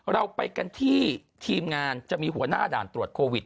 เราไปกันที่ทีมงานจะมีหัวหน้าด่านตรวจโควิด